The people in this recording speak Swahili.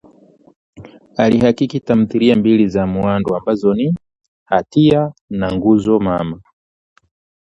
Alihakiki tamthilia mbili za Muhando, ambazo ni; Hatia na Nguzo Mama